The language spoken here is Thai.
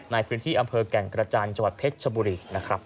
ในพื้นที่อำเภอแก่งกระจานจเพชรชบุรี